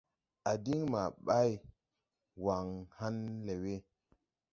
A diŋ maa ɓay, waŋ ha̧n lɛ wɛ.